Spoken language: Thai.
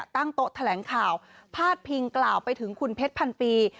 ตั้งโต๊ะแถลงข่าวพาดพิงกล่าวไปถึงคุณเพชรพันปี